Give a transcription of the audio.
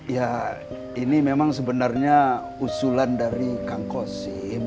ya ini memang sebenarnya usulan dari kangkos